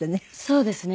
そうですね。